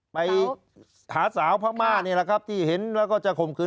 ไปหาสาวพม่านี่แหละครับที่เห็นแล้วก็จะข่มขื